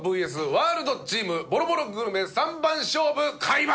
ワールドチームボロボログルメ三番勝負開幕！